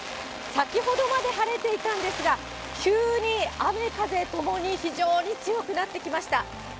先ほどまで晴れていたんですが、急に雨風ともに非常に強くなってきました。